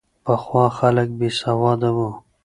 پخوا خلک بې سواده وو.